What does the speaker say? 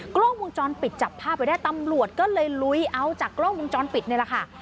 กล้องวงจรปิดจับภาพไว้ได้ตำรวจก็เลยลุยเอาจากกล้องวงจรปิดนี่แหละค่ะ